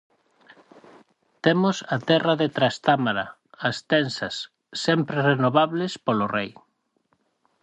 Temos a Terra de Trastámara, as tenzas, sempre renovables polo rei.